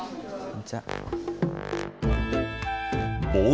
こんにちは。